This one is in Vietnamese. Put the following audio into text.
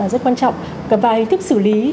rất quan trọng và hình thức xử lý